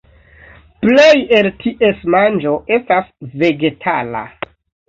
Plej el ties manĝo estas vegetala.